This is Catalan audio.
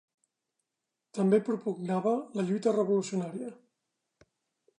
També propugnava la lluita revolucionària.